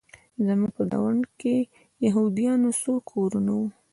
زموږ په ګاونډ کې د یهودانو څو کورونه وو